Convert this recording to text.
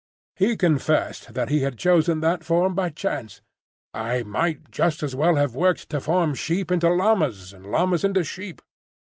He confessed that he had chosen that form by chance. "I might just as well have worked to form sheep into llamas and llamas into sheep.